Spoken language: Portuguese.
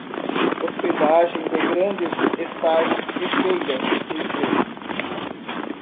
Hospedagem de grandes estágios e feiras de emprego